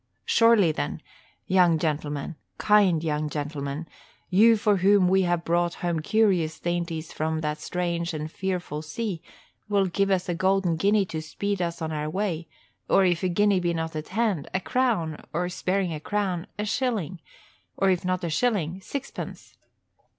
Surely, then, young gentleman, kind young gentleman, you for whom we have brought home curious dainties from that strange and fearful sea, will give us a golden guinea to speed us on our way; or if a guinea be not at hand, a crown; or sparing a crown, a shilling; or if not a shilling, sixpence.